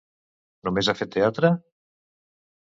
Només ha fet teatre?